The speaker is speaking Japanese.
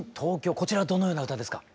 こちらどのような歌ですか？